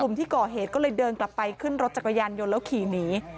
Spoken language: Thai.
ที่ก่อเหตุก็เลยเดินกลับไปขึ้นรถจักรยานยนต์แล้วขี่หนี